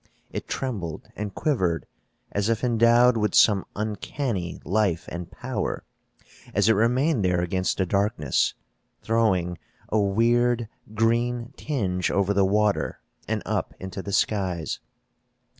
It trembled and quivered, as if endowed with some uncanny life and power, as it remained there against the darkness, throwing a weird, green tinge over the water and up into the skies.